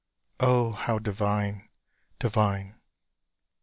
O how divine, divine!